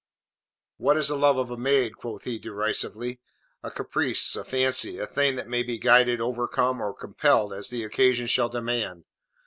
"What is the love of a maid?" quoth he derisively. "A caprice, a fancy, a thing that may be guided, overcome or compelled as the occasion shall demand.